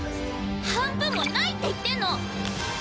「半分もない」って言ってんの！